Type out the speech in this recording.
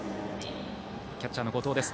キャッチャーの後藤です。